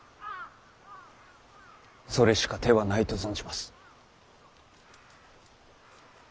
それしか手はないと存じます。